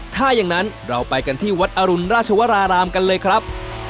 ถ้าอย่างนั้นเราไปกันที่วัดอรุณราชวรารามกันเลยครับ